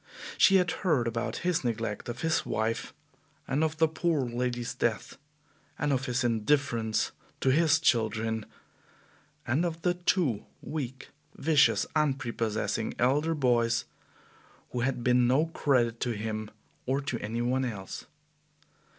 She had heard about his neglect of his wife, and of the poor lady's death; and of his indifference to his children; and of the two weak, vicious, unprepossessing elder boys who had been no credit to him or to any one else.